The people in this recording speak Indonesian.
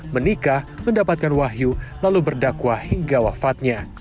menikah mendapatkan wahyu lalu berdakwah hingga wafatnya